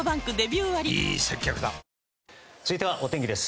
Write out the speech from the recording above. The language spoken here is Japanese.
続いてはお天気です。